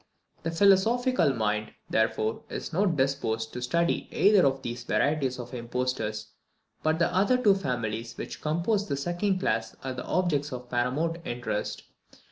The philosophical mind, therefore, is not disposed to study either of these varieties of impostors; but the other two families which compose the second class are objects of paramount interest.